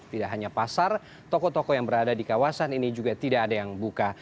tidak hanya pasar toko toko yang berada di kawasan ini juga tidak ada yang buka